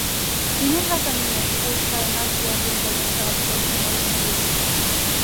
Quin és el camí més curt per anar als jardins del Mestre Balcells número vint-i-u?